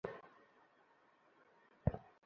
আমার বাইক সব সময় তোমার সামনে এসেই খারাপ হয় কেন?